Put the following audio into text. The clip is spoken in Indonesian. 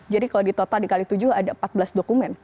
jadi kalau ditotal dikali tujuh ada empat belas dokumen